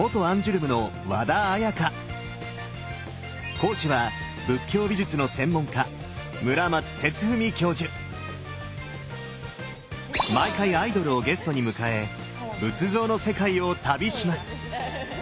講師は仏教美術の専門家毎回アイドルをゲストに迎え仏像の世界を旅します！